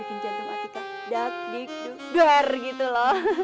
bikin jantung hati kak dakdikdugar gitu loh